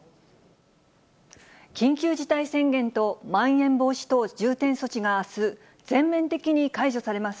緊急事態宣言とまん延防止等重点措置があす、全面的に解除されます。